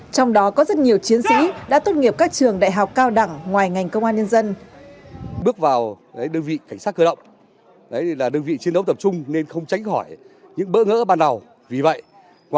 trong đó có rất nhiều chiến sĩ đã tốt nghiệp các trường đại học cao đẳng ngoài ngành công an nhân dân